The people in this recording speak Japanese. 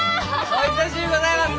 お久しゅうございます！